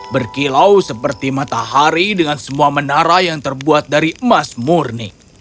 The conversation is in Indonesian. berkilau seperti matahari dengan semua menara yang terbuat dari emas murni